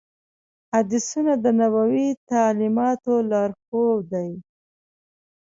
حدیثونه د نبوي تعلیماتو لارښود دي.